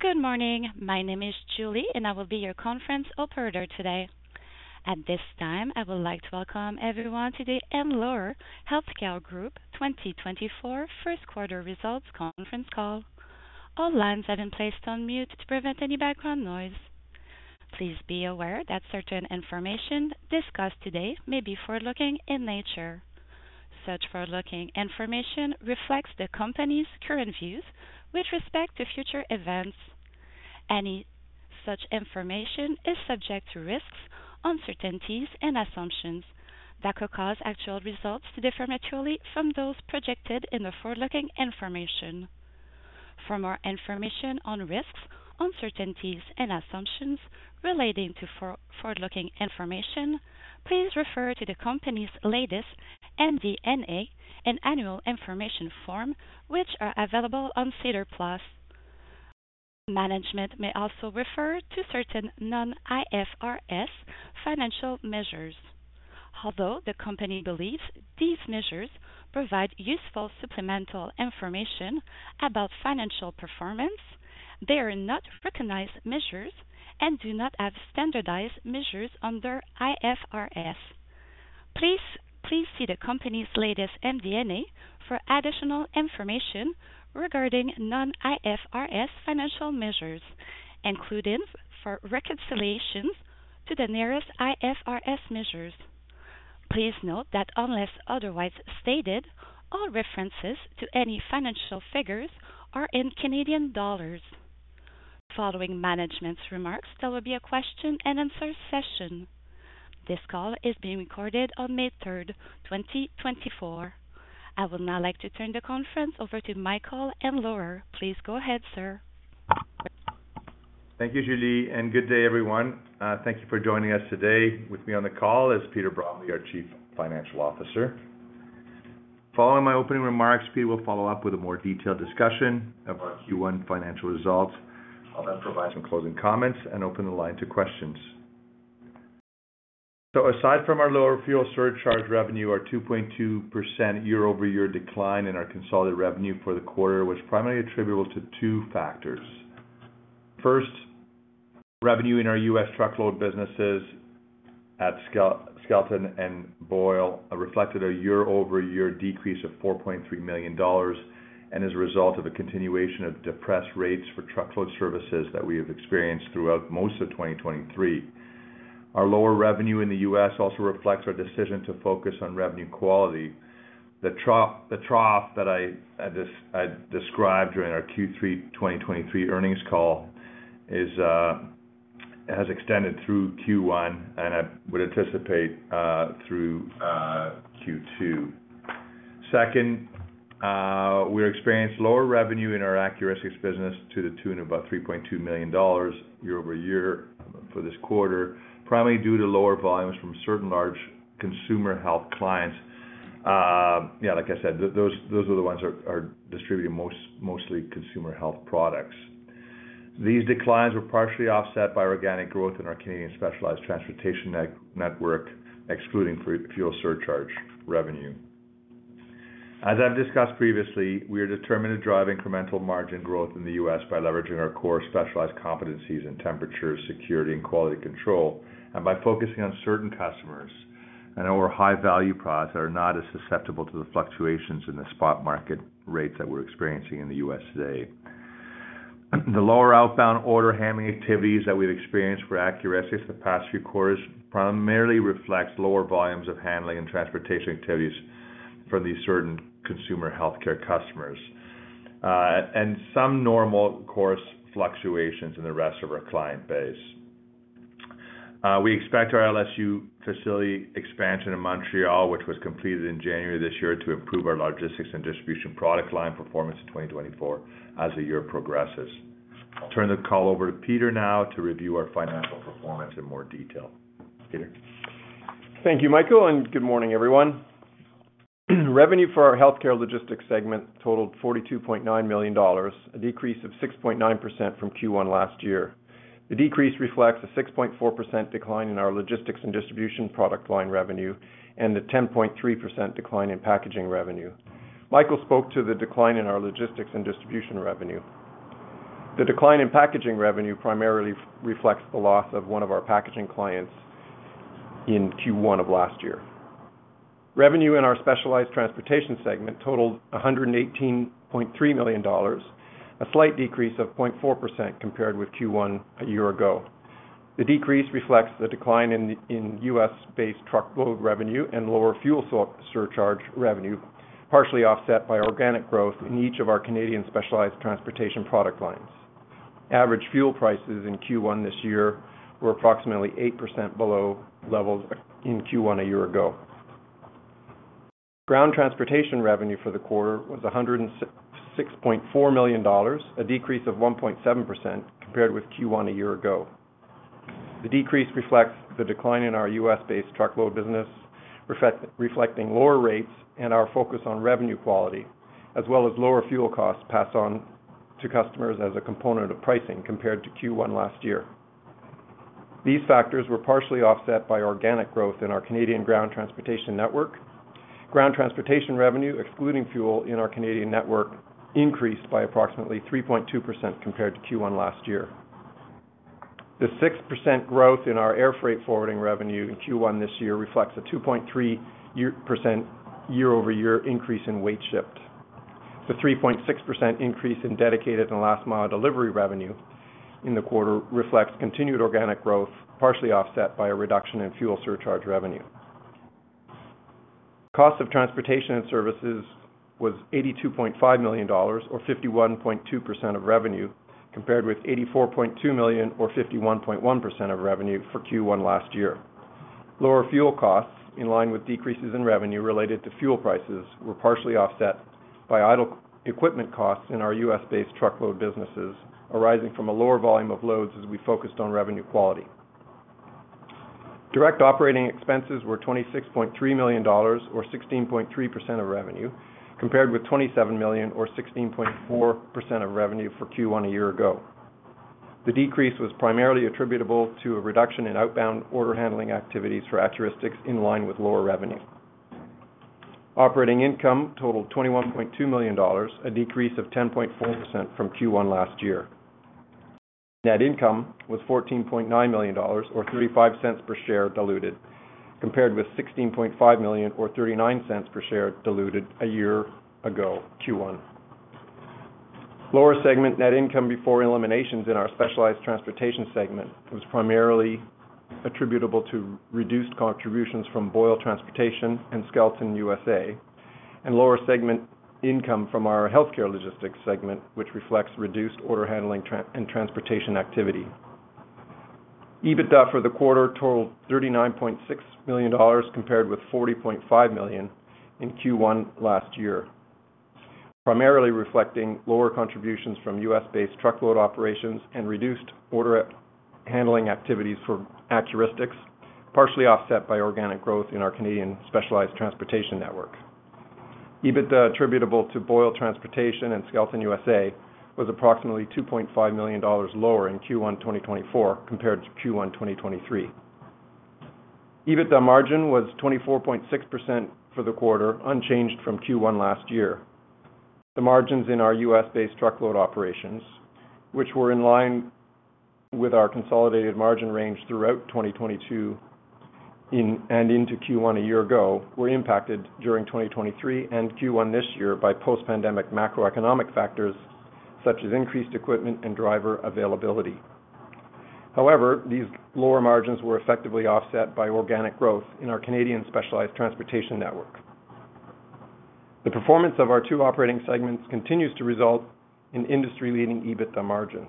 Good morning. My name is Julie, and I will be your Conference operator today. At this time, I would like to welcome everyone to the Andlauer Healthcare Group 2024 Q1 results conference call. All lines have been placed on mute to prevent any background noise. Please be aware that certain information discussed today may be forward-looking in nature. Such forward-looking information reflects the company's current views with respect to future events. Any such information is subject to risks, uncertainties and assumptions that could cause actual results to differ materially from those projected in the forward-looking information. For more information on risks, uncertainties and assumptions relating to forward-looking information, please refer to the company's latest MD&A and Annual Information Form, which are available on SEDAR+. Management may also refer to certain non-IFRS financial measures. Although the company believes these measures provide useful supplemental information about financial performance, they are not recognized measures and do not have standardized measures under IFRS. Please, please see the company's latest MD&A for additional information regarding non-IFRS financial measures, including for reconciliations to the nearest IFRS measures. Please note that unless otherwise stated, all references to any financial figures are in Canadian dollars. Following management's remarks, there will be a question and answer session. This call is being recorded on 3rd May, 2024. I would now like to turn the conference over to Michael Andlauer. Please go ahead, sir. Thank you, Julie, and good day, everyone. Thank you for joining us today. With me on the call is Peter Bromley, our Chief Financial Officer. Following my opening remarks, Peter will follow up with a more detailed discussion of our Q1 financial results. I'll then provide some closing comments and open the line to questions. So aside from our lower fuel surcharge revenue, our 2.2% year-over-year decline in our consolidated revenue for the quarter was primarily attributable to two factors. First, revenue in our U.S. truckload businesses at Skelton and Boyle reflected a year-over-year decrease of $4.3 million, and as a result of a continuation of depressed rates for truckload services that we have experienced throughout most of 2023. Our lower revenue in the U.S. also reflects our decision to focus on revenue quality. The trough, the trough that I described during our Q3 2023 Earnings Call is, has extended through Q1, and I would anticipate through Q2. Second, we experienced lower revenue in our Accuristix business to the tune of about CAD $3.2 million year-over-year for this quarter, primarily due to lower volumes from certain large consumer health clients. Yeah, like I said, those are the ones that are distributing mostly consumer health products. These declines were partially offset by organic growth in our Canadian specialized transportation network, excluding fuel surcharge revenue. As I've discussed previously, we are determined to drive incremental margin growth in the US by leveraging our core specialized competencies in temperature, security, and quality control, and by focusing on certain customers and our high-value products that are not as susceptible to the fluctuations in the spot market rates that we're experiencing in the US today. The lower outbound order handling activities that we've experienced for Accuristix the past few quarters primarily reflects lower volumes of handling and transportation activities for these certain consumer healthcare customers, and some normal course fluctuations in the rest of our client base. We expect our LSU facility expansion in Montreal, which was completed in January this year, to improve our logistics and distribution product line performance in 2024 as the year progresses. I'll turn the call over to Peter now to review our financial performance in more detail. Peter? Thank you, Michael, and good morning, everyone. Revenue for our healthcare logistics segment totaled CAD $42.9 million, a decrease of 6.9% from Q1 last year. The decrease reflects a 6.4% decline in our logistics and distribution product line revenue and a 10.3% decline in packaging revenue. Michael spoke to the decline in our logistics and distribution revenue. The decline in packaging revenue primarily reflects the loss of one of our packaging clients in Q1 of last year. Revenue in our specialized transportation segment totaled CAD $118.3 million, a slight decrease of 0.4% compared with Q1 a year ago. The decrease reflects the decline in U.S.-based truckload revenue and lower fuel surcharge revenue, partially offset by organic growth in each of our Canadian specialized transportation product lines. Average fuel prices in Q1 this year were approximately 8% below levels in Q1 a year ago. Ground transportation revenue for the quarter was CAD $106.4 million, a decrease of 1.7% compared with Q1 a year ago. The decrease reflects the decline in our U.S.-based truckload business, reflecting lower rates and our focus on revenue quality, as well as lower fuel costs passed on to customers as a component of pricing compared to Q1 last year. These factors were partially offset by organic growth in our Canadian ground transportation network. Ground transportation revenue, excluding fuel in our Canadian network, increased by approximately 3.2% compared to Q1 last year. The 6% growth in our air freight forwarding revenue in Q1 this year reflects a 2.3% year-over-year increase in weight shipped. The 3.6% increase in dedicated and last mile delivery revenue in the quarter reflects continued organic growth, partially offset by a reduction in fuel surcharge revenue. Cost of transportation and services was CAD $82.5 million, or 51.2% of revenue, compared with CAD $84.2 million, or 51.1% of revenue for Q1 last year. Lower fuel costs, in line with decreases in revenue related to fuel prices, were partially offset by idle equipment costs in our US-based truckload businesses, arising from a lower volume of loads as we focused on revenue quality. Direct operating expenses were CAD $26.3 million, or 16.3% of revenue, compared with CAD $27 million or 16.4% of revenue for Q1 a year ago. The decrease was primarily attributable to a reduction in outbound order handling activities for Accuristix in line with lower revenue. Operating income totaled CAD $21.2 million, a decrease of 10.4% from Q1 last year. Net income was CAD $14.9 million or 0.35 per share diluted, compared with CAD $16.5 million or 0.39 per share diluted a year ago, Q1. Lower segment net income before eliminations in our specialized transportation segment was primarily attributable to reduced contributions from Boyle Transportation and Skelton USA, and lower segment income from our healthcare logistics segment, which reflects reduced order handling and transportation activity. EBITDA for the quarter totaled CAD $39.6 million, compared with CAD $40.5 million in Q1 last year, primarily reflecting lower contributions from U.S.-based truckload operations and reduced order handling activities for Accuristix, partially offset by organic growth in our Canadian specialized transportation network. EBITDA attributable to Boyle Transportation and Skelton USA was approximately CAD $2.5 million lower in Q1 2024 compared to Q1 2023. EBITDA margin was 24.6% for the quarter, unchanged from Q1 last year. The margins in our U.S.-based truckload operations, which were in line with our consolidated margin range throughout 2022 and into Q1 a year ago, were impacted during 2023 and Q1 this year by post-pandemic macroeconomic factors, such as increased equipment and driver availability. However, these lower margins were effectively offset by organic growth in our Canadian specialized transportation network. The performance of our two operating segments continues to result in industry-leading EBITDA margins.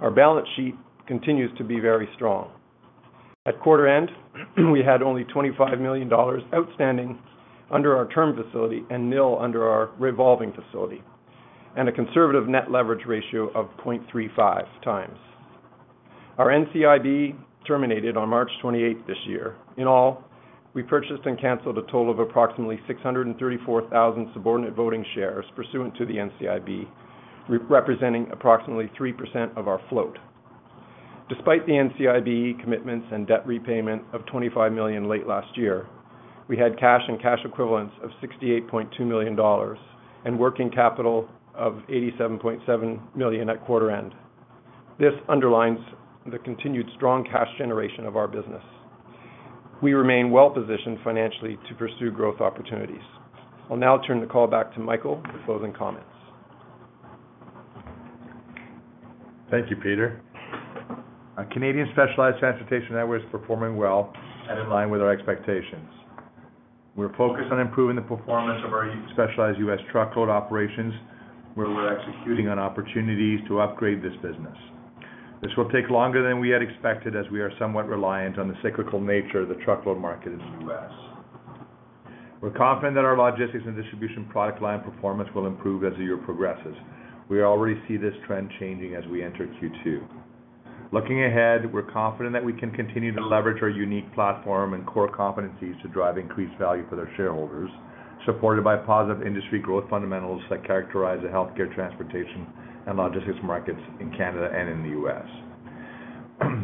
Our balance sheet continues to be very strong. At quarter end, we had only CAD $25 million outstanding under our term facility and CAD 0 under our revolving facility, and a conservative net leverage ratio of 0.35x. Our NCIB terminated on 28th March this year. In all, we purchased and canceled a total of approximately 634,000 subordinate voting shares pursuant to the NCIB, representing approximately 3% of our float. Despite the NCIB commitments and debt repayment of CAD $25 million late last year, we had cash and cash equivalents of CAD $68.2 million and working capital of CAD $87.7 million at quarter end. This underlines the continued strong cash generation of our business. We remain well-positioned financially to pursue growth opportunities. I'll now turn the call back to Michael for closing comments. Thank you, Peter. Our Canadian specialized transportation network is performing well and in line with our expectations. We're focused on improving the performance of our specialized U.S. truckload operations, where we're executing on opportunities to upgrade this business. This will take longer than we had expected, as we are somewhat reliant on the cyclical nature of the truckload market in the U.S. We're confident that our logistics and distribution product line performance will improve as the year progresses. We already see this trend changing as we enter Q2. Looking ahead, we're confident that we can continue to leverage our unique platform and core competencies to drive increased value for their shareholders, supported by positive industry growth fundamentals that characterize the healthcare, transportation, and logistics markets in Canada and in the U.S.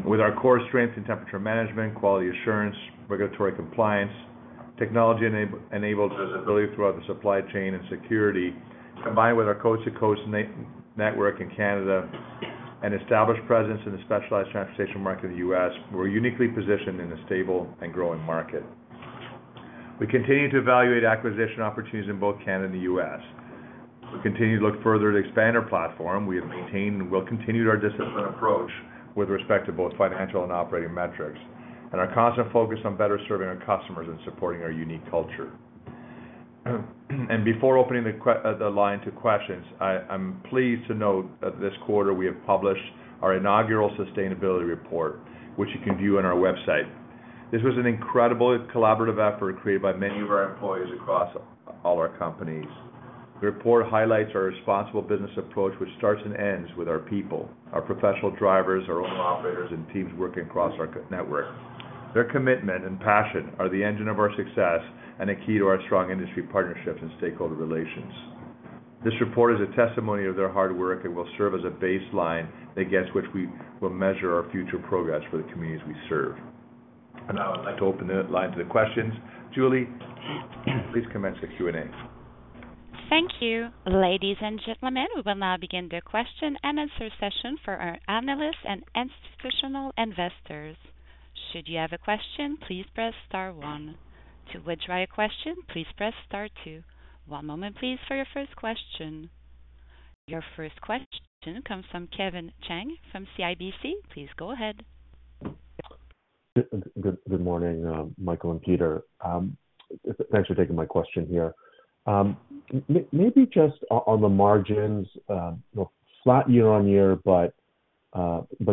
With our core strengths in temperature management, quality assurance, regulatory compliance, technology-enabled visibility throughout the supply chain and security, combined with our coast-to-coast network in Canada and established presence in the specialized transportation market in the US, we're uniquely positioned in a stable and growing market. We continue to evaluate acquisition opportunities in both Canada and the US. We continue to look further to expand our platform. We have maintained and will continue our disciplined approach with respect to both financial and operating metrics, and our constant focus on better serving our customers and supporting our unique culture. Before opening the line to questions, I'm pleased to note that this quarter, we have published our inaugural sustainability report, which you can view on our website. This was an incredible collaborative effort created by many of our employees across all our companies. The report highlights our responsible business approach, which starts and ends with our people, our professional drivers, our owner-operators, and teams working across our network. Their commitment and passion are the engine of our success and a key to our strong industry partnerships and stakeholder relations.... This report is a testimony of their hard work and will serve as a baseline against which we will measure our future progress for the communities we serve. And now I'd like to open the line to the questions. Julie, please commence the Q&A. Thank you. Ladies and gentlemen, we will now begin the question-and-answer session for our analysts and institutional investors. Should you have a question, please press star one. To withdraw your question, please press star two. One moment please, for your first question. Your first question comes from Kevin Chiang, from CIBC. Please go ahead. Good morning, Michael and Peter. Thanks for taking my question here. Maybe just on the margins, you know, flat year-over-year, but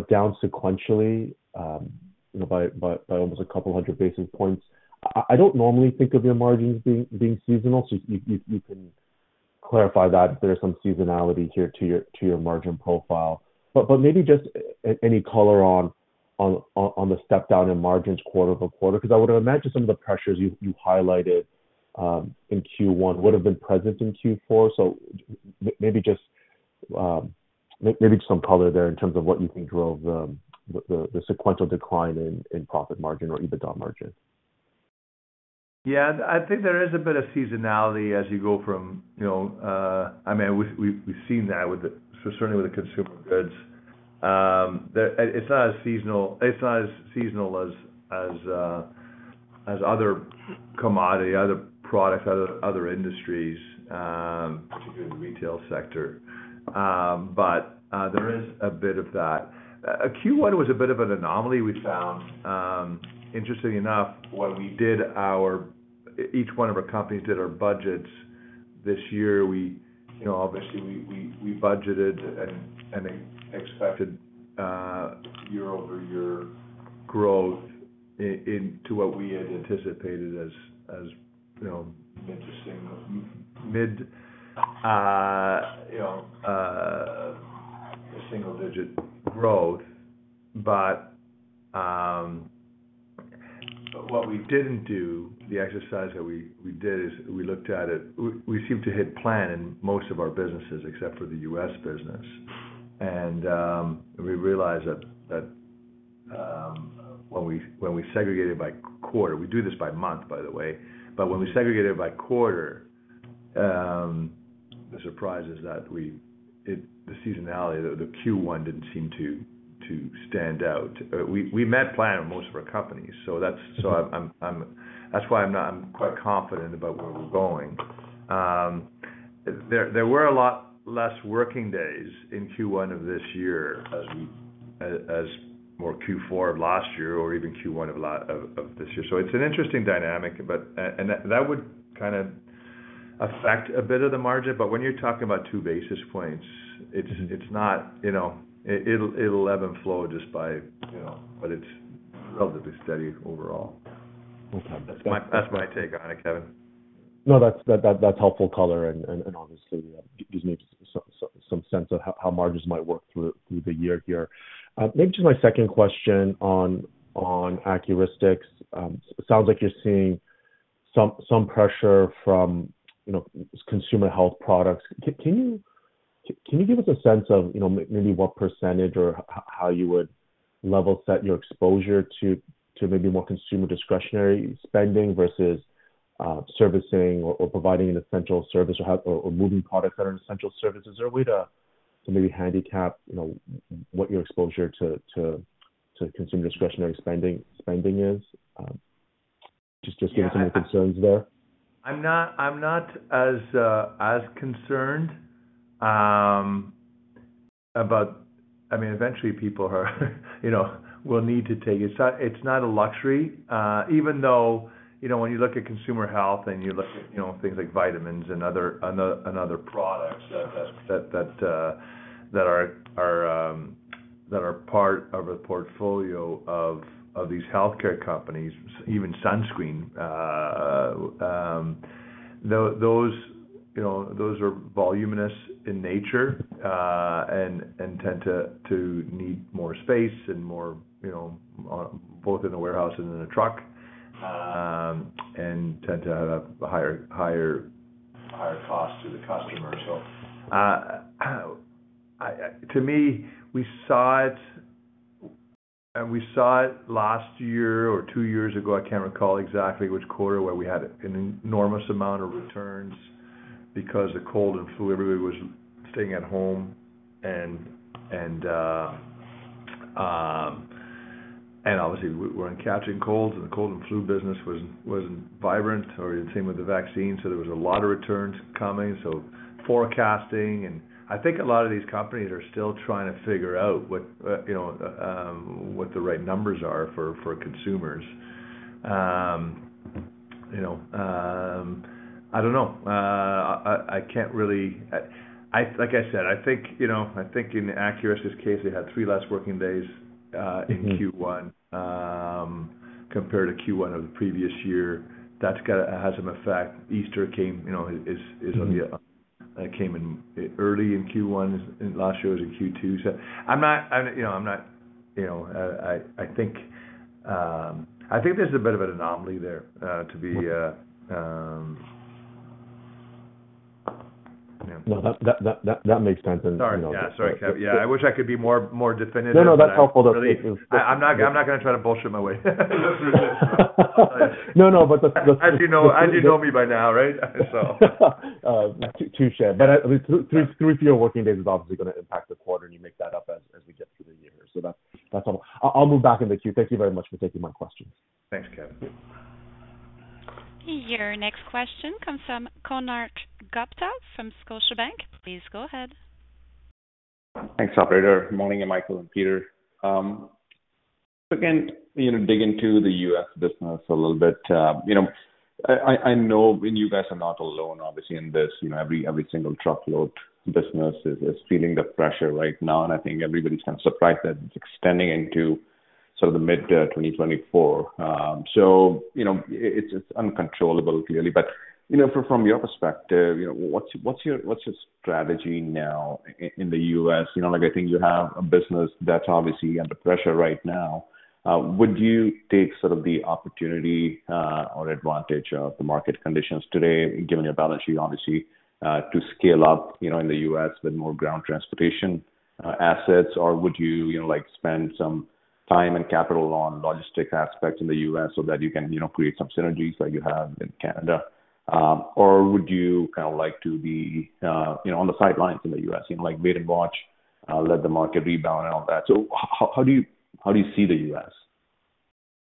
down sequentially, you know, by almost 200 basis points. I don't normally think of your margins being seasonal, so if you can clarify that, if there's some seasonality to your margin profile. But maybe just any color on the step down in margins quarter-over-quarter, because I would imagine some of the pressures you highlighted in Q1 would have been present in Q4. So maybe just some color there in terms of what you think drove the sequential decline in profit margin or EBITDA margin. Yeah, I think there is a bit of seasonality as you go from, you know, I mean, we've seen that with the, certainly with the consumer goods. It's not as seasonal, it's not as seasonal as other commodity, other products, other industries, particularly in the retail sector. But there is a bit of that. Q1 was a bit of an anomaly we found. Interestingly enough, when we did our, each one of our companies did our budgets this year, we, you know, obviously, we budgeted and expected year-over-year growth in to what we had anticipated as, you know, interesting, mid single digit growth. But what we didn't do, the exercise that we did, is we looked at it. We seemed to hit plan in most of our businesses, except for the US business. And we realized that when we segregated by quarter, we do this by month, by the way, but when we segregated by quarter, the surprise is that the seasonality, the Q1 didn't seem to stand out. We met plan in most of our companies, so that's why I'm not, I'm quite confident about where we're going. There were a lot less working days in Q1 of this year as more Q4 of last year or even Q1 of last year. So it's an interesting dynamic, but, and that, that would kind of affect a bit of the margin. But when you're talking about two basis points, it's, it's not, you know, it, it'll even flow just by, you know, but it's relatively steady overall. Okay. That's my, that's my take on it, Kevin. No, that's helpful color, and obviously gives me some sense of how margins might work through the year here. Maybe just my second question on Accuristix. Sounds like you're seeing some pressure from, you know, consumer health products. Can you give us a sense of, you know, maybe what percentage or how you would level set your exposure to maybe more consumer discretionary spending versus servicing or providing an essential service or moving products that are in essential services? Is there a way to maybe handicap, you know, what your exposure to consumer discretionary spending is? Just give us any concerns there. I'm not as concerned about—I mean, eventually people, you know, will need to take it. It's not a luxury, even though, you know, when you look at consumer health and you look at, you know, things like vitamins and other products that are part of a portfolio of these healthcare companies, even sunscreen, those, you know, those are voluminously in nature, and tend to need more space and more, you know, both in a warehouse and in a truck, and tend to have a higher cost to the customer. So, to me, we saw it, and we saw it last year or two years ago, I can't recall exactly which quarter, where we had an enormous amount of returns because the cold and flu, everybody was staying at home. And obviously, we're catching colds, and the cold and flu business wasn't vibrant, or the same with the vaccine, so there was a lot of returns coming, so forecasting. And I think a lot of these companies are still trying to figure out what, you know, what the right numbers are for consumers. You know, I don't know. I can't really. Like I said, I think, you know, I think in Accuristix's case, they had three less working days. Mm-hmm.... in Q1, compared to Q1 of the previous year. That's got to have some effect. Easter came, you know, on the- Mm-hmm. It came in early in Q1, and last year was in Q2. So I'm not, you know, I'm not concerned... you know, I think there's a bit of an anomaly there, to be No, that makes sense and, you know- Sorry. Yeah, sorry, Kevin. Yeah, I wish I could be more, more definitive than that. No, no, that's helpful, though. I'm not, I'm not gonna try to bullshit my way through this. No, no, but the- As you know, as you know me by now, right? So. Two shared. But at least two, three of your working days is obviously gonna impact the quarter, and you make that up as we get through the year. So that's all. I, I'll move back in the queue. Thank you very much for taking my questions. Thanks, Kevin. Your next question comes from Konark Gupta from Scotiabank. Please go ahead. Thanks, operator. Morning, Michael and Peter. Again, you know, dig into the US business a little bit. You know, I know, and you guys are not alone, obviously, in this. You know, every single truckload business is feeling the pressure right now, and I think everybody's kind of surprised that it's extending into sort of the mid-2024. So, you know, it's uncontrollable, clearly. But, you know, from your perspective, you know, what's your strategy now in the US? You know, like, I think you have a business that's obviously under pressure right now. Would you take sort of the opportunity or advantage of the market conditions today, given your balance sheet, obviously, to scale up, you know, in the US with more ground transportation assets? Or would you, you know, like, spend some time and capital on logistics aspects in the U.S. so that you can, you know, create some synergies like you have in Canada? Or would you kind of like to be, you know, on the sidelines in the U.S., you know, like, wait and watch, let the market rebound and all that? So how do you, how do you see the U.S.?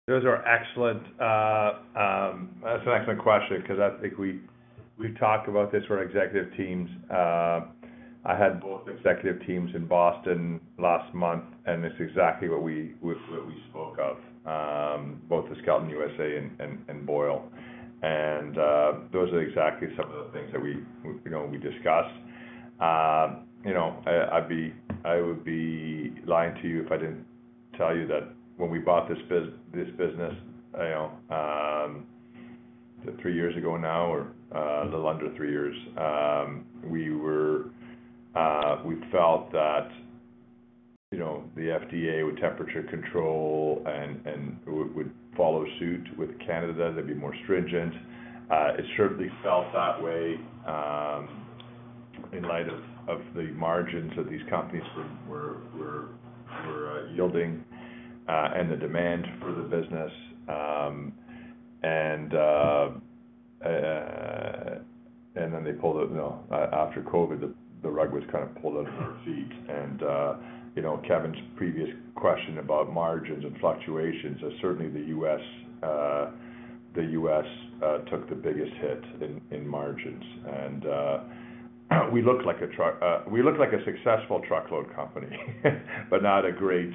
Those are excellent, that's an excellent question, 'cause I think we, we've talked about this for executive teams. I had both executive teams in Boston last month, and it's exactly what we, what we spoke of, both the Skelton USA and Boyle. And, those are exactly some of the things that we, you know, we discussed. You know, I, I'd be-- I would be lying to you if I didn't tell you that when we bought this bus- this business, you know, 3 years ago now, or, a little under 3 years, we were, we felt that, you know, the FDA would temperature control and would follow suit with Canada, they'd be more stringent. It certainly felt that way in light of the margins that these companies were yielding and the demand for the business. And then they pulled out, you know, after COVID, the rug was kind of pulled out from our feet. And you know, Kevin's previous question about margins and fluctuations, as certainly the U.S. took the biggest hit in margins. And we looked like a truck, we looked like a successful truckload company, but not a great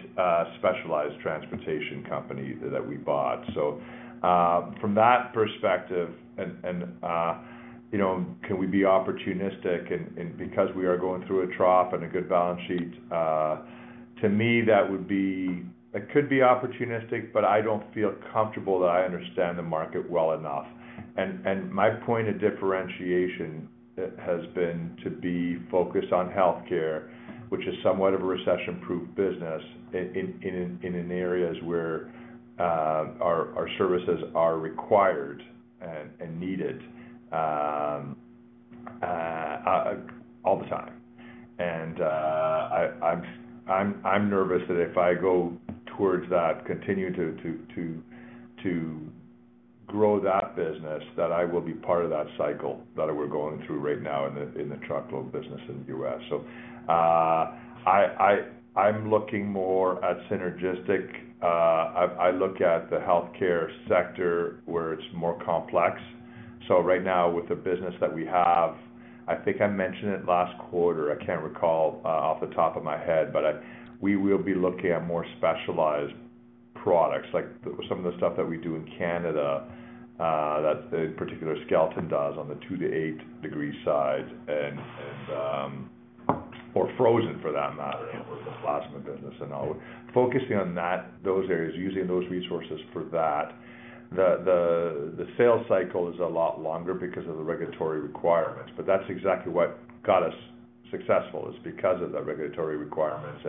specialized transportation company that we bought. So from that perspective, and you know, can we be opportunistic and because we are going through a trough and a good balance sheet, to me, that would be... It could be opportunistic, but I don't feel comfortable that I understand the market well enough. My point of differentiation has been to be focused on healthcare, which is somewhat of a recession-proof business in areas where our services are required and needed all the time. I'm nervous that if I go towards that, continue to grow that business, that I will be part of that cycle that we're going through right now in the truckload business in the U.S. So, I'm looking more at synergistic. I look at the healthcare sector where it's more complex. So right now, with the business that we have, I think I mentioned it last quarter, I can't recall off the top of my head, but we will be looking at more specialized products, like some of the stuff that we do in Canada, that in particular Skelton does on the 2-8 degree side, or frozen for that matter, with the plasma business. And I would focusing on that, those areas, using those resources for that. The sales cycle is a lot longer because of the regulatory requirements, but that's exactly what got us successful, is because of the regulatory requirements.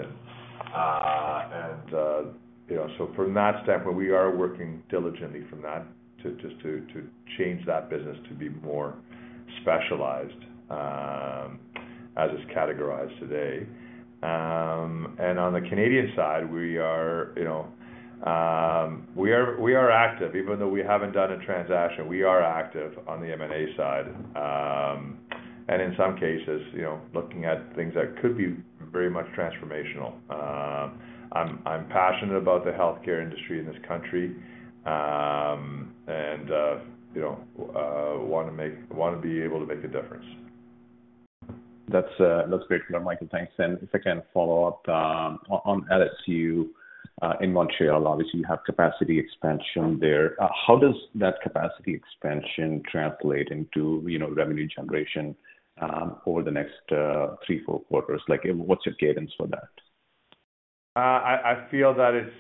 You know, so from that standpoint, we are working diligently to change that business to be more specialized, as it's categorized today. And on the Canadian side, we are, you know, active. Even though we haven't done a transaction, we are active on the M&A side. And in some cases, you know, looking at things that could be very much transformational. I'm passionate about the healthcare industry in this country, and, you know, wanna be able to make a difference. That's, that's great, Michael. Thanks. And if I can follow up, on LSU in Montreal, obviously, you have capacity expansion there. How does that capacity expansion translate into, you know, revenue generation over the next 3-4 quarters? Like, what's your cadence for that? I feel that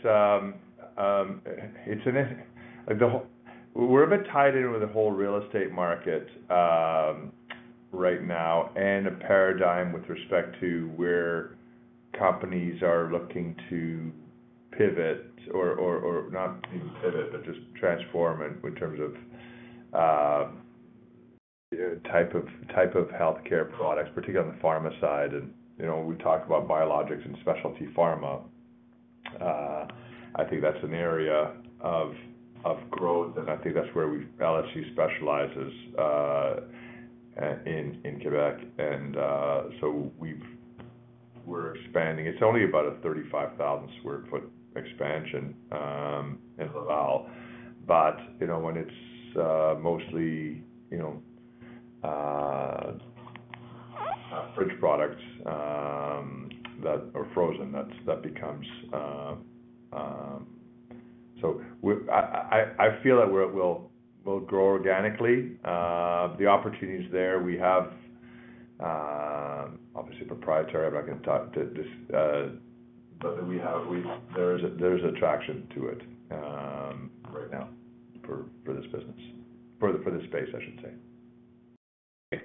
we're a bit tied in with the whole real estate market right now, and a paradigm with respect to where companies are looking to pivot or not even pivot, but just transform in terms of type of healthcare products, particularly on the pharma side. And, you know, when we talk about biologics and specialty pharma, I think that's an area of growth, and I think that's where LSU specializes in Quebec. And, so we're expanding. It's only about a 35,000 sq ft expansion in Laval. But, you know, when it's mostly, you know, fridge products that are frozen, that becomes. So I feel that we'll grow organically. The opportunity's there. We have, obviously proprietary, I'm not gonna talk to this, but we have, we've, there's a, there's attraction to it, right now for, for this business, for the, for this space, I should say.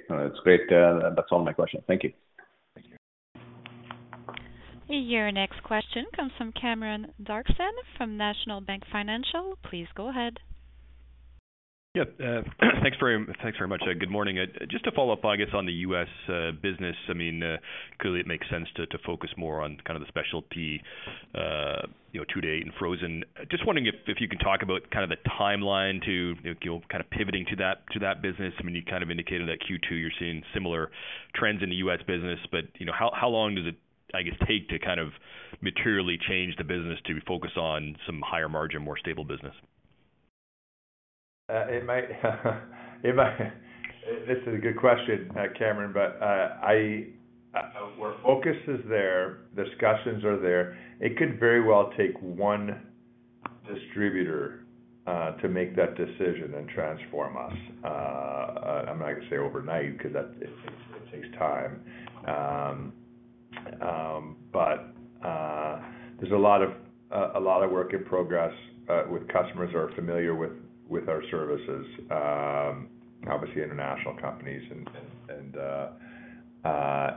That's great. That's all my questions. Thank you. Thank you. Your next question comes from Cameron Doerksen from National Bank Financial. Please go ahead. Yeah, thanks very much. Thanks very much. Good morning. Just to follow up, I guess, on the US business, I mean, clearly it makes sense to focus more on kind of the specialty, you know, today and frozen. Just wondering if you can talk about kind of the timeline to, you know, kind of pivoting to that business. I mean, you kind of indicated that Q2, you're seeing similar trends in the US business, but, you know, how long does it, I guess, take to kind of materially change the business to focus on some higher margin, more stable business? It might... This is a good question, Cameron, but, well, focus is there, discussions are there. It could very well take one distributor to make that decision and transform us. I'm not gonna say overnight, 'cause it takes time. But there's a lot of work in progress with customers who are familiar with our services, obviously international companies.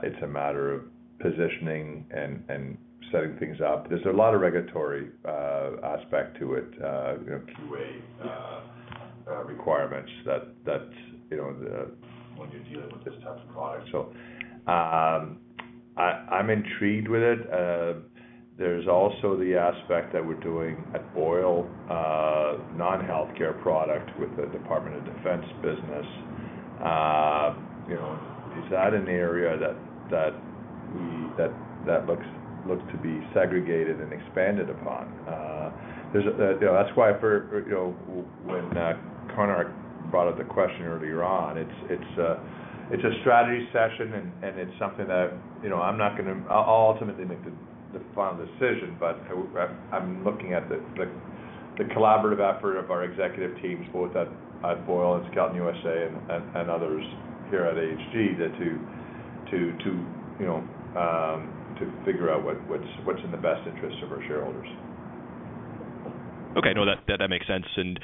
It's a matter of positioning and setting things up. There's a lot of regulatory aspect to it, you know, QA requirements that, you know, when you're dealing with this type of product. So, I'm intrigued with it. There's also the aspect that we're doing at Boyle, non-healthcare product with the Department of Defense business. You know, is that an area that we look to be segregated and expanded upon? You know, that's why, you know, when Konark brought up the question earlier on, it's a strategy session, and it's something that, you know, I'm not gonna... I'll ultimately make the final decision, but I'm looking at the collaborative effort of our executive teams, both at Boyle and Skelton USA and others here at AHG, to figure out what's in the best interest of our shareholders. Okay. No, that makes sense. And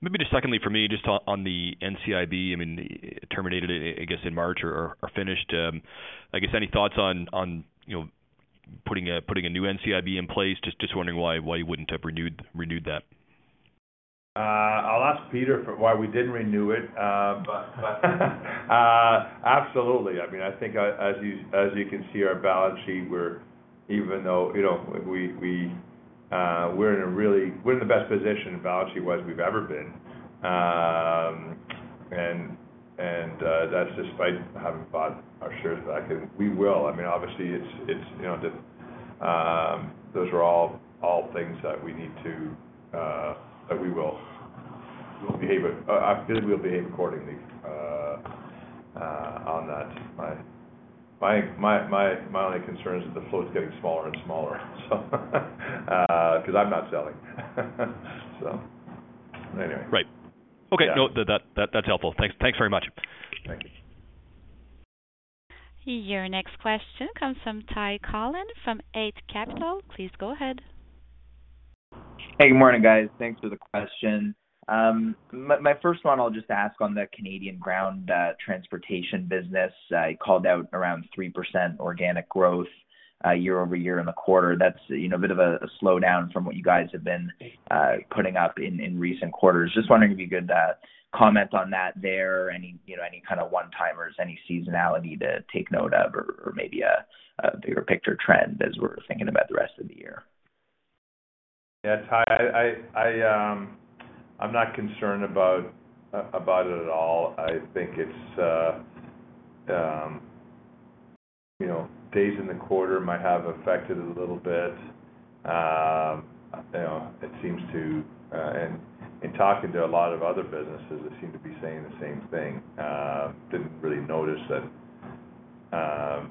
maybe just secondly, for me, just on the NCIB, I mean, terminated, I guess, in March or finished. I guess, any thoughts on, you know, putting a new NCIB in place? Just wondering why you wouldn't have renewed that. I'll ask Peter for why we didn't renew it. But absolutely. I mean, I think as you can see, our balance sheet, we're even though, you know, we we're in the best position balance sheet wise we've ever been. And that's despite having bought our shares back, and we will. I mean, obviously, it's you know, those are all things that we need to that we will. We'll behave accordingly on that. My only concern is that the flow is getting smaller and smaller, so 'cause I'm not selling. So anyway. Right. Yeah. Okay. No, that that's helpful. Thanks. Thanks very much. Thank you. Your next question comes from Tal Woolley, from Eight Capital. Please go ahead. Hey, good morning, guys. Thanks for the question. My first one, I'll just ask on the Canadian ground transportation business. You called out around 3% organic growth year-over-year in the quarter. That's, you know, a bit of a slowdown from what you guys have been putting up in recent quarters. Just wondering if you could comment on that there, any, you know, any kind of one-timers, any seasonality to take note of or maybe a bigger picture trend as we're thinking about the rest of the year? Yeah, Tal, I'm not concerned about about it at all. I think it's you know, days in the quarter might have affected it a little bit. You know, it seems to and in talking to a lot of other businesses, they seem to be saying the same thing. Didn't really notice that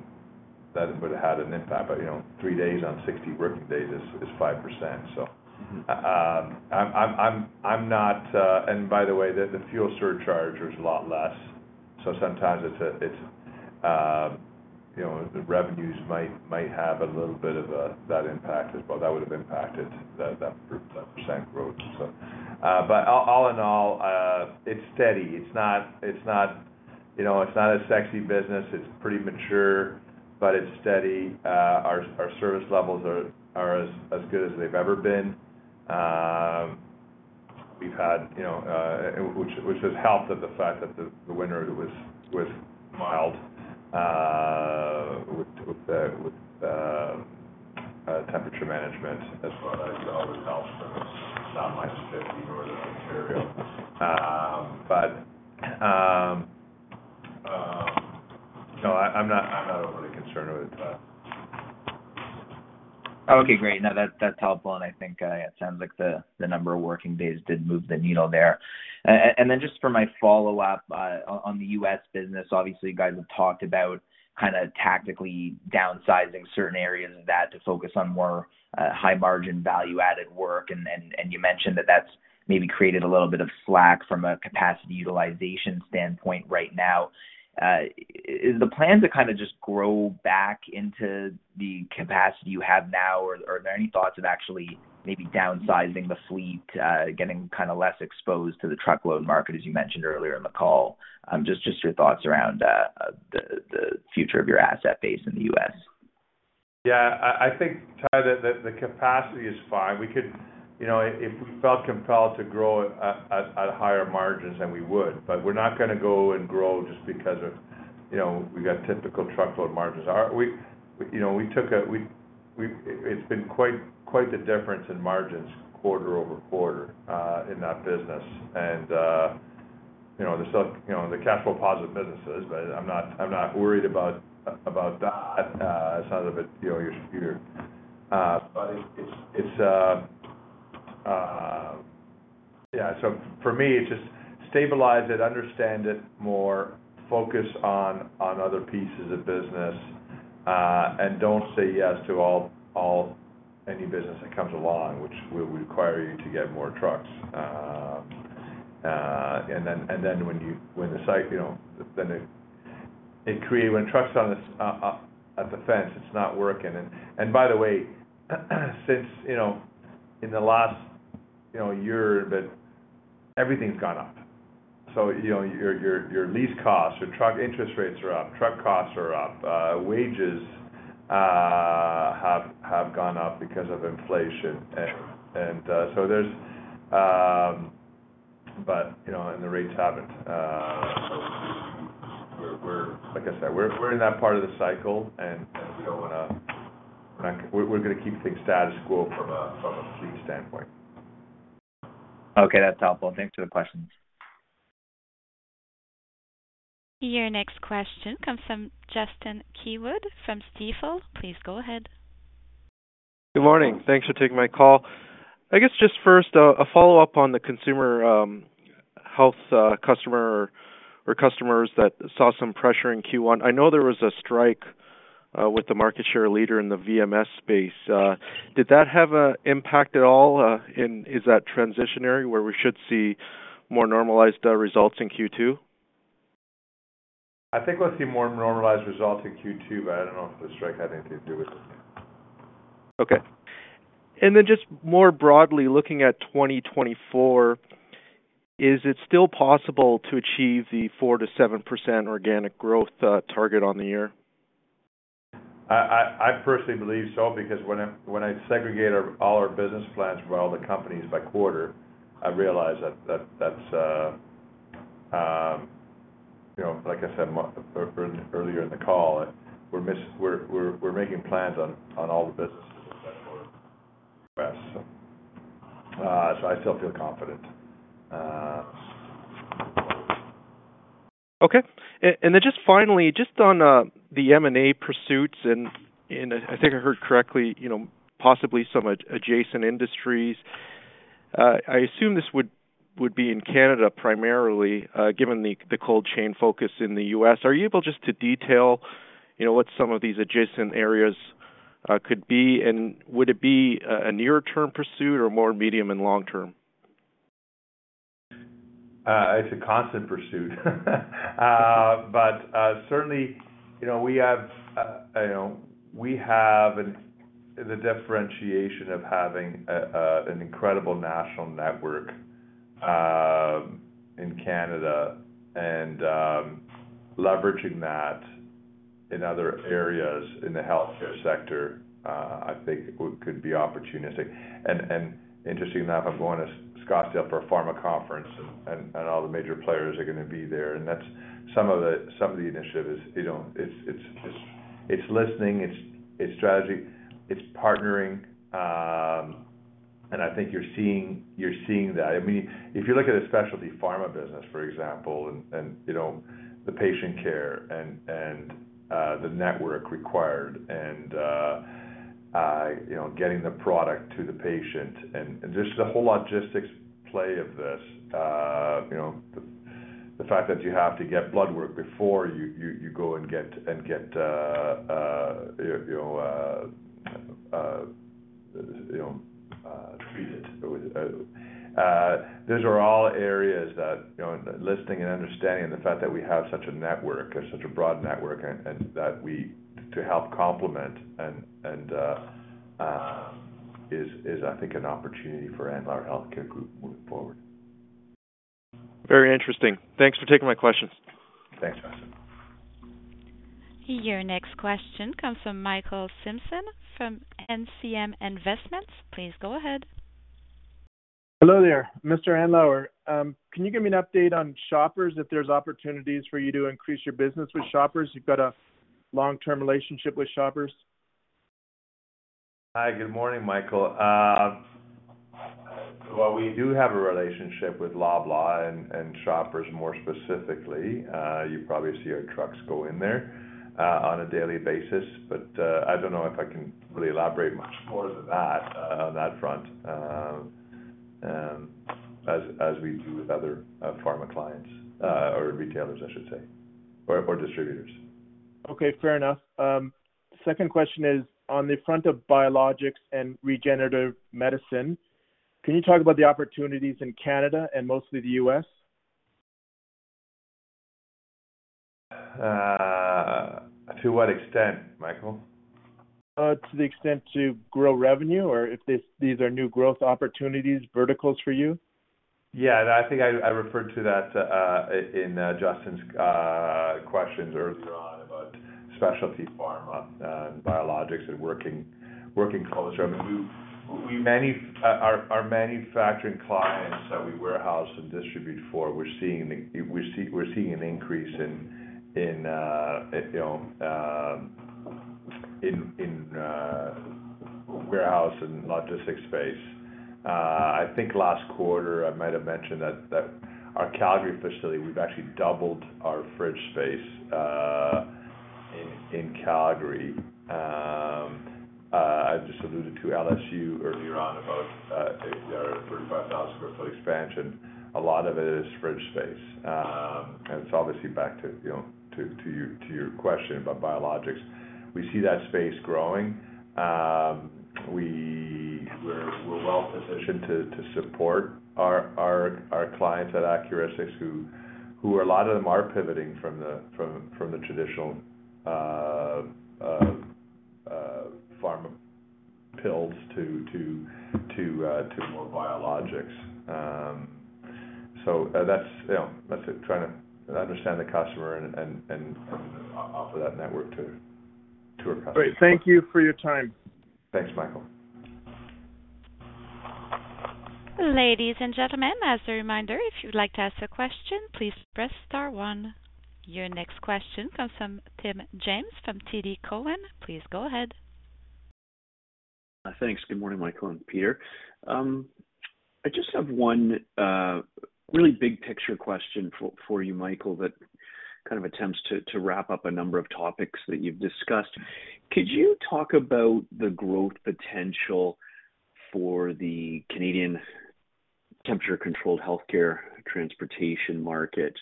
that it would've had an impact, but you know, 3 days on 60 working days is 5%, so. Mm-hmm. I'm not. And by the way, the fuel surcharge is a lot less, so sometimes you know, the revenues might have a little bit of that impact as well. That would have impacted that percent growth. So, but all in all, it's steady. It's not, you know, it's not a sexy business. It's pretty mature, but it's steady. Our service levels are as good as they've ever been. We've had, you know, which has helped with the fact that the winter was mild, with the temperature management as well. That always helps when it's not -50 degrees Celsius in Ontario. But, no, I'm not overly concerned with it. Okay, great! Now, that, that's helpful, and I think it sounds like the number of working days did move the needle there. And then just for my follow-up on the U.S. business, obviously, you guys have talked about kinda tactically downsizing certain areas of that to focus on more high margin, value-added work. And you mentioned that that's maybe created a little bit of slack from a capacity utilization standpoint right now. Is the plan to kinda just grow back into the capacity you have now, or are there any thoughts of actually maybe downsizing the fleet, getting kinda less exposed to the truckload market, as you mentioned earlier in the call? Just your thoughts around the future of your asset base in the U.S. Yeah, I think, Ty, the capacity is fine. We could... You know, if we felt compelled to grow at higher margins, then we would. But we're not gonna go and grow just because of, you know, we got typical truckload margins. Our-- we, you know, we took a, we, we-- it's been quite the difference in margins quarter over quarter, in that business. And, you know, the stock, you know, the cash flow positive businesses, but I'm not worried about that. It's not a bit, you know, your computer, but it's, it's... Yeah, so for me, it's just stabilize it, understand it more, focus on other pieces of business, and don't say yes to all, any business that comes along, which will require you to get more trucks. and then, and then when you—when the cycle, you know, then it, it create when trucks on the, at the fence, it's not working. And by the way, since, you know, in the last, you know, year, that everything's gone up. So, you know, your, your, your lease costs, your truck interest rates are up, truck costs are up, wages have gone up because of inflation. And so there's, but, you know, and the rates haven't, we're, like I said, we're in that part of the cycle, and we don't wanna—We're gonna keep things status quo from a fleet standpoint. Okay, that's helpful. Thanks for the questions. Your next question comes from Justin Keywood from Stifel. Please go ahead. Good morning. Thanks for taking my call. I guess just first, a follow-up on the consumer health customer or customers that saw some pressure in Q1. I know there was a strike with the market share leader in the VMS space. Did that have an impact at all? And is that transitory, where we should see more normalized results in Q2? I think we'll see more normalized results in Q2, but I don't know if the strike had anything to do with it. Okay. And then just more broadly, looking at 2024, is it still possible to achieve the 4%-7% organic growth target on the year? I personally believe so, because when I segregate all our business plans for all the companies by quarter, I realize that that's, you know, like I said, earlier in the call, we're making plans on all the businesses.I still feel confident. Okay. And then just finally, just on the M&A pursuits, and I think I heard correctly, you know, possibly some adjacent industries. I assume this would be in Canada, primarily, given the cold chain focus in the US. Are you able just to detail, you know, what some of these adjacent areas could be? And would it be a near-term pursuit or more medium and long term? It's a constant pursuit. But certainly, you know, we have, you know, we have the differentiation of having an incredible national network in Canada and leveraging that in other areas in the healthcare sector. I think would, could be opportunistic. And interesting enough, I'm going to Scottsdale for a pharma conference, and all the major players are gonna be there. And that's some of the initiative is, you know, it's listening, it's strategy, it's partnering. And I think you're seeing that. I mean, if you look at a specialty pharma business, for example, and you know, the patient care and the network required and you know, getting the product to the patient, and there's a whole logistics play of this. You know, the fact that you have to get blood work before you go and get, you know, treat it. Those are all areas that, you know, listening and understanding and the fact that we have such a network, such a broad network, and that we to help complement and is, I think, an opportunity for Andlauer Healthcare Group moving forward. Very interesting. Thanks for taking my questions. Thanks, Justin. Your next question comes from Michael Simpson, from NCM Investments. Please go ahead. Hello there, Mr. Andlauer. Can you give me an update on Shoppers, if there's opportunities for you to increase your business with Shoppers? You've got a long-term relationship with Shoppers. Hi, good morning, Michael. Well, we do have a relationship with Loblaw and Shoppers more specifically. You probably see our trucks go in there on a daily basis, but I don't know if I can really elaborate much more than that on that front, as we do with other pharma clients, or retailers, I should say, or distributors. Okay, fair enough. Second question is on the front of biologics and regenerative medicine, can you talk about the opportunities in Canada and mostly the U.S.? To what extent, Michael? To the extent to grow revenue or if these are new growth opportunities, verticals for you? Yeah, and I think I referred to that in Justin's questions earlier on about specialty pharma, biologics and working closer. I mean, our manufacturing clients that we warehouse and distribute for, we're seeing an increase in, you know, in warehouse and logistics space. I think last quarter, I might have mentioned that our Calgary facility, we've actually doubled our fridge space in Calgary. I just alluded to LSU earlier on about their 35,000 sq ft expansion. A lot of it is fridge space. And it's obviously back to, you know, your question about biologics. We see that space growing. We're well positioned to support our clients at Accuristix, who a lot of them are pivoting from the traditional pharma pills to more biologics. So that's, you know, that's trying to understand the customer and offer that network to our customers. Great, thank you for your time. Thanks, Michael. Ladies and gentlemen, as a reminder, if you'd like to ask a question, please press star one. Your next question comes from Tim James, from TD Cowen. Please go ahead. Thanks. Good morning, Michael and Peter. I just have one really big picture question for you, Michael, that kind of attempts to wrap up a number of topics that you've discussed. Could you talk about the growth potential for the Canadian temperature-controlled healthcare transportation market?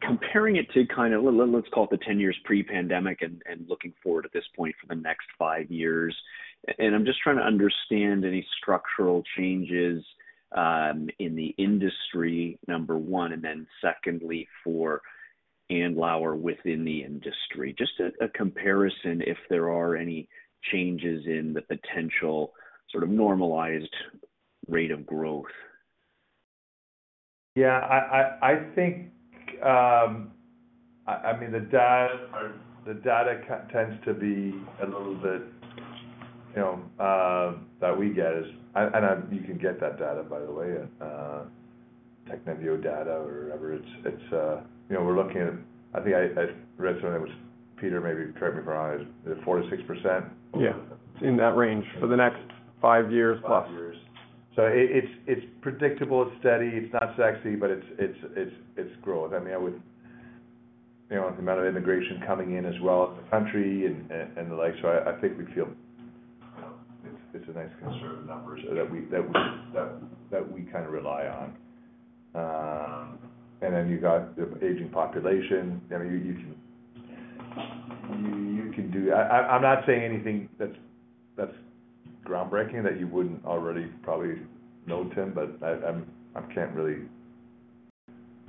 Comparing it to kind of, let's call it the 10 years pre-pandemic and looking forward at this point for the next 5 years. I'm just trying to understand any structural changes in the industry, number one, and then secondly, for Andlauer within the industry. Just a comparison, if there are any changes in the potential sort of normalized rate of growth. Yeah, I think, I mean, the data tends to be a little bit, you know, that we get is -- and you can get that data, by the way, Technavio data or whatever. It's, you know, we're looking at... I think I read something, it was Peter, maybe correct me if I'm wrong, is it 4%-6%? Yeah, it's in that range for the next 5 years+. 5 years. So it's predictable, it's steady, it's not sexy, but it's growth. I mean, I would, you know, the amount of immigration coming in as well as the country and the like. So I think we feel, you know, it's a nice conservative number so that we kind of rely on. And then you got the aging population. I mean, you can do... I'm not saying anything that's groundbreaking that you wouldn't already probably know, Tim, but I can't really,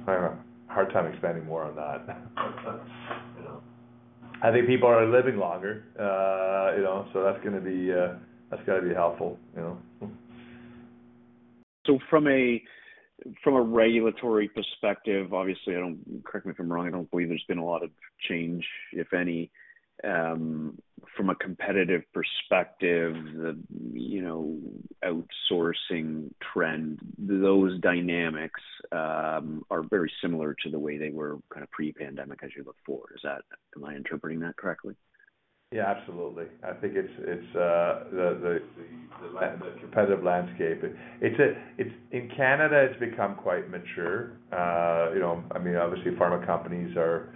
I don't know, hard time expanding more on that. You know, I think people are living longer, you know, so that's gonna be, that's got to be helpful, you know? So from a regulatory perspective, obviously, I don't... Correct me if I'm wrong, I don't believe there's been a lot of change, if any. From a competitive perspective, the, you know, outsourcing trend, those dynamics, are very similar to the way they were kind of pre-pandemic as you look forward. Is that, am I interpreting that correctly? Yeah, absolutely. I think it's the competitive landscape. It's in Canada, it's become quite mature. You know, I mean, obviously, pharma companies are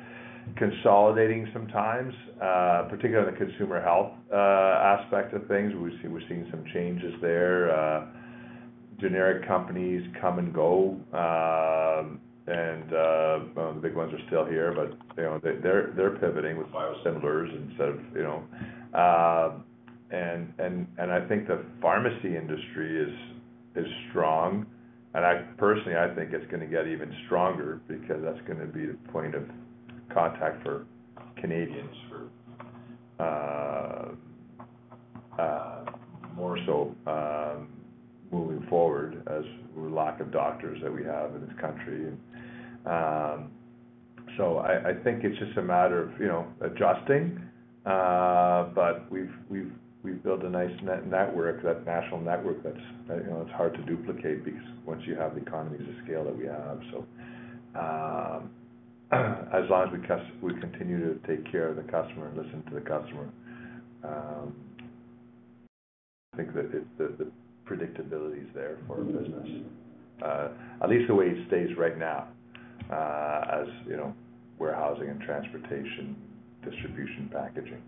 consolidating sometimes, particularly in the consumer health aspect of things. We're seeing some changes there. Generic companies come and go, and the big ones are still here, but, you know, they're pivoting with biosimilars instead of, you know... And I think the pharmacy industry is strong, and I, personally, I think it's gonna get even stronger because that's gonna be the point of contact for Canadians for more so moving forward as lack of doctors that we have in this country. So I think it's just a matter of, you know, adjusting, but we've built a nice network, that national network, that's, you know, it's hard to duplicate because once you have the economies of scale that we have. So, as long as we continue to take care of the customer and listen to the customer, I think that the predictability is there for our business. At least the way it stays right now, as you know, warehousing and transportation, distribution, packaging.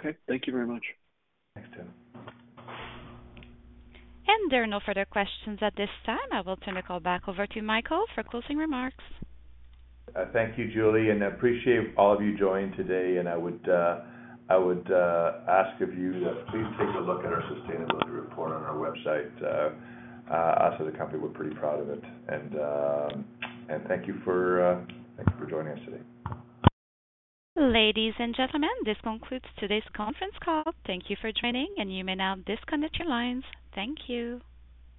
Okay. Thank you very much. Thanks, Tim. There are no further questions at this time. I will turn the call back over to Michael for closing remarks. Thank you, Julie, and I appreciate all of you joining today, and I would ask of you to please take a look at our sustainability report on our website. Us as a company, we're pretty proud of it. Thank you for joining us today. Ladies and gentlemen, this concludes today's conference call. Thank you for joining, and you may now disconnect your lines. Thank you.